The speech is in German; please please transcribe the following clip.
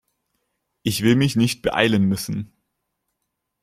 Ich will mich nicht beeilen müssen.